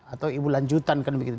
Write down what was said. atau ibu lanjutan kan begitu